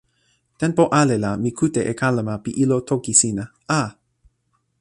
tenpo ale la mi kute e kalama pi ilo toki sina. a!